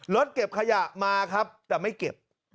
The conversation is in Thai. รถเก็บขยะมาครับแต่ไม่เก็บ